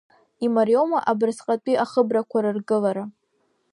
Имариоума абырсҟатәи ахыбрақәа рыргылара?